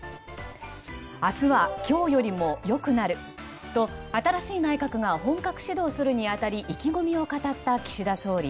明日は今日よりも良くなると新しい内閣が本格始動するに当たり、意気込みを語った岸田総理。